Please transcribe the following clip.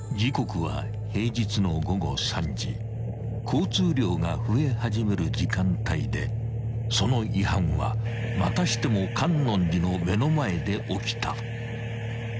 ［交通量が増え始める時間帯でその違反はまたしても觀音寺の目の前で起きた］